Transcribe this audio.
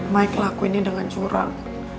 mike lakuinnya dengan curang